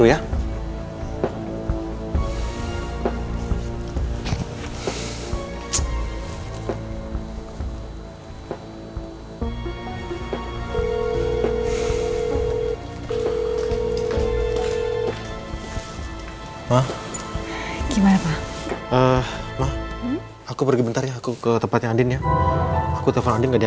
dulu ya ma gimana pak ah ma aku pergi bentar ya aku ke tempatnya adinya aku telfonnya dia